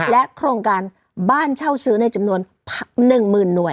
โครงการบ้านเช่าซื้อในจำนวน๑๐๐๐หน่วย